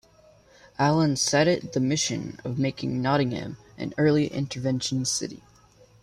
Allen set it the mission of making Nottingham an "Early Intervention City".